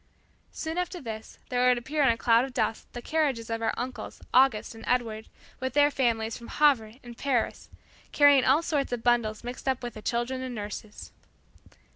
Soon after this there would appear in a cloud of dust, the carriages of our uncles August and Edward with their families from Havre and Paris, carrying all sorts of bundles mixed up with the children and nurses.